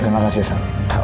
terima kasih ustadz